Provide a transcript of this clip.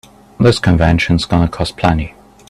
This convention's gonna cost plenty.